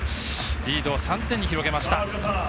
リードを３点に広げました。